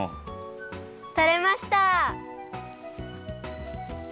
とれました！